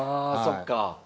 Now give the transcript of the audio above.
あそっか。